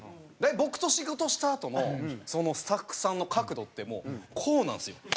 僕と仕事したあとのそのスタッフさんの角度ってもうこうなんですよ。